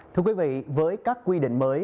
thưa quý vị với các quy định mới